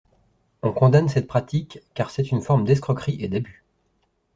On condamne cette pratique car c'est une forme d'escroquerie et d'abus.